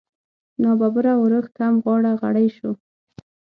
نا ببره ورښت هم غاړه غړۍ شو.